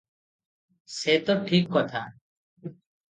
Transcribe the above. ସେ ତ ଠିକ କଥା ।